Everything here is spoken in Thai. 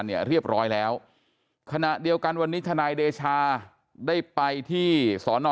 เนี่ยเรียบร้อยแล้วขณะเดียวกันวันนี้ทนายเดชาได้ไปที่สอนอ